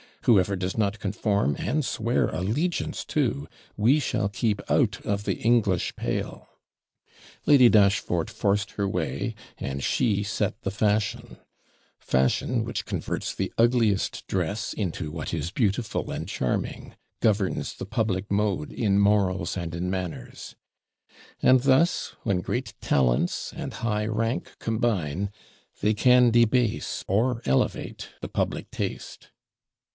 Whoever does not conform, and swear allegiance too, we shall keep out of the English pale.' Lady Dashfort forced her way, and she set the fashion: fashion, which converts the ugliest dress into what is beautiful and charming, governs the public mode in morals and in manners; and thus, when great talents and high rank combine, they can debase or elevate the public taste.